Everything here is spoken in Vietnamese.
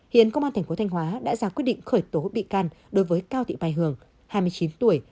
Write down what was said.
hiện công an thành phố thanh hóa đã ra quyết định khởi tố bị can đối với cao thị bài hường hai mươi chín tuổi